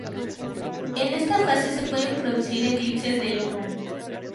En esta fase se pueden producir eclipses de Luna.